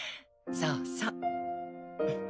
そうそう。